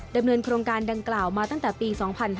ดำเนินโครงการดังกล่าวมาตั้งแต่ปี๒๕๕๙